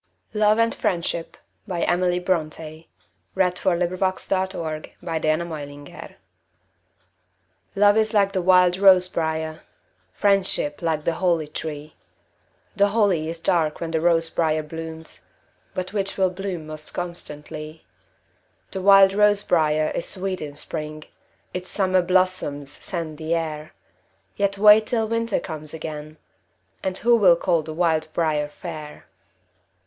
Mortal! though soon life's tale is told; Who once lives, never dies!" LOVE AND FRIENDSHIP. Love is like the wild rose briar; Friendship like the holly tree. The holly is dark when the rose briar blooms, But which will bloom most constantly? The wild rose briar is sweet in spring, Its summer blossoms scent the air; Yet wait till winter comes again, And who will call the wild briar fair?